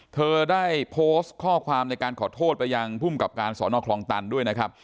เธอได้โพสต์ข้อความในการขอโทษไปยังภูมิกับการสอนอคลองตันด้วยนะครับ